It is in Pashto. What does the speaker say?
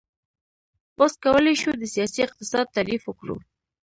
اوس کولی شو د سیاسي اقتصاد تعریف وکړو.